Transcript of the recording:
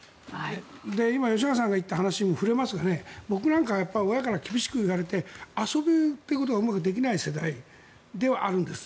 今、吉永さんが言った話にも触れますが僕なんか親から厳しく言われて遊ぶということがうまくできない世代ではあるんです。